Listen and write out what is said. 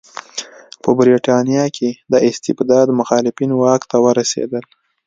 په برېټانیا کې د استبداد مخالفین واک ته ورسېدل.